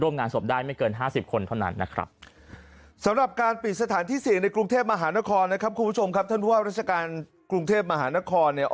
มหานครนะครับคุณผู้ชมครับท่านผู้ห้าราชการกรุงเทพมหานครเนี่ย